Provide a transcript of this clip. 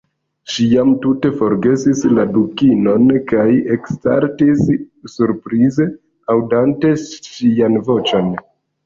Ŝi jam tute forgesis la Dukinon, kaj eksaltis surprize, aŭdante ŝian voĉon.